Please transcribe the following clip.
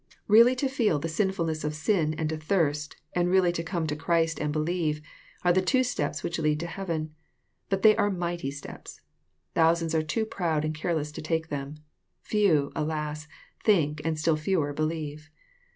Really to feel the sin fulness of sin and to thirst, and really to come to Christ \ and believe, are the two steps which lead to heaven. But they are mighty steps. Thousands are too proud and careless to take them. Few, alas I think, and still fewer believe.